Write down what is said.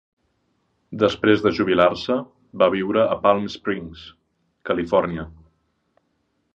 Després de jubilar-se va viure a Palm Springs, Califòrnia.